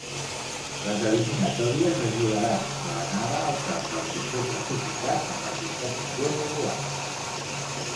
Les eliminatòries es jugaran a l'anada al camp del pitjor classificat en la competició regular.